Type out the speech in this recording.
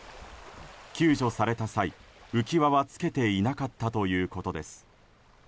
救助された際浮き輪はつけていなかったということです。